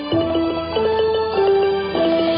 ชาวภรรยา